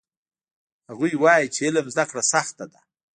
هغوی وایي چې علم زده کړه سخته ده